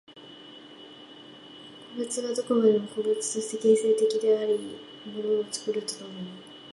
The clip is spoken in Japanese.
個物がどこまでも個物として形成的であり物を作ると共に、